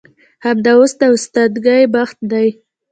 همدا اوس د استادګۍ وخت دى.